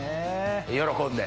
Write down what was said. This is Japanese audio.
喜んで。